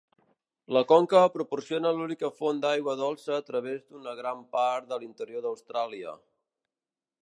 La conca proporciona l'única font d'aigua dolça a través d'una gran part de l'interior d'Austràlia.